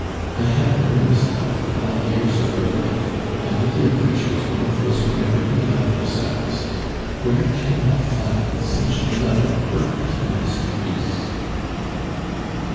I have an earnest of five years of her life, and the dear creature is one of those who never belie themselves! Where can I find such another perfect masterpiece?"